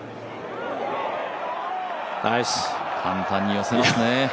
簡単に寄せますね。